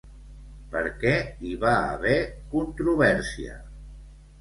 Per què hi va haver controvèrsia?